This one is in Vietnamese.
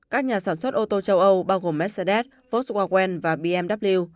các nhà sản xuất ô tô châu âu bao gồm mercedes foxwales và bmw